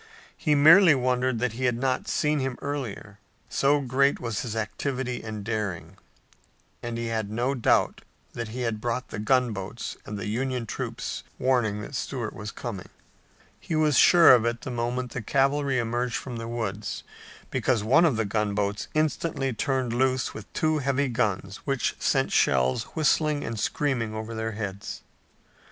He merely wondered that he had not seen him earlier, so great was his activity and daring, and he had no doubt that he had brought the gunboats and the Union troops warning that Stuart was coming. He was sure of it the moment the cavalry emerged from the woods, because one of the gunboats instantly turned loose with two heavy guns which sent shells whistling and screaming over their heads.